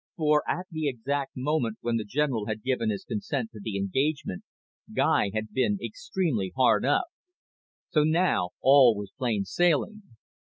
For, at the actual moment when the General had given his consent to the engagement, Guy had been extremely hard up. So now all was plain sailing.